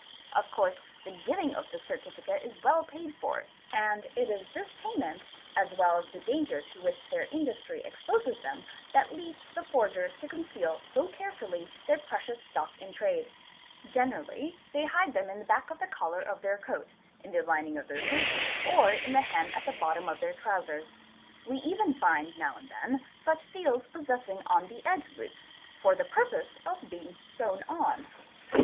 Of course the giving of this certificate is well paid i for, and it is this payment, as well as the danger to which their industry DA ALN aE TN ONS Nhe GB Re Ee BI Mee Ob BOB LBD, SI AYALA A0d 16 48, Reraelindy | ST doe 86 _ exposes them, that leads the forgers to conceal so carefully their precious _ stock in trade. Generally they hide them in the back of the collar of _ their coat, in the lining of their boots, or in the hem at the bottom of their trousers. We even find now and then such seals possessing on _ the edge loops, for the purpose of being sewn on.